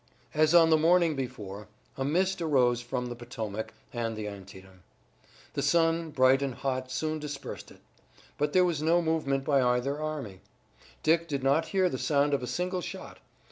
As on the morning before, a mist arose from the Potomac and the Antietam. The sun, bright and hot, soon dispersed it. But there was no movement by either army. Dick did not hear the sound of a single shot.